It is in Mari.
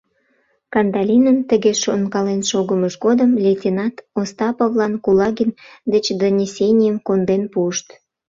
Кандалинын тыге шонкален шогымыж годым лейтенант Остаповлан Кулагин деч донесенийым конден пуышт.